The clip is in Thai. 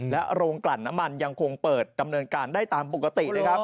และโรงกลั่นน้ำมันยังคงเปิดกำเนินการได้ตามปกติ